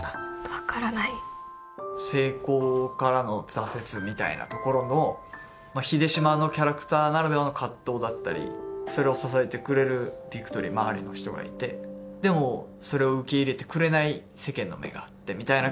分からない成功からの挫折みたいなところの秀島のキャラクターならではの葛藤だったりそれを支えてくれるビクトリー周りの人がいてでもそれを受け入れてくれない世間の目があってみたいな